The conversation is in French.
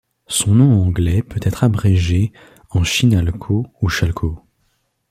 Son nom anglais peut être abrégé en Chinalco ou Chalco.